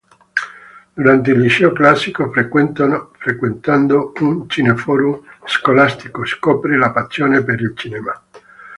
Durante il Liceo Classico, frequentando un cineforum scolastico, scopre la passione per il cinema.